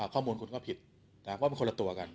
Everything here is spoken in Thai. ข้อมูลคุณก็ผิดเพราะมันคนละตัวกัน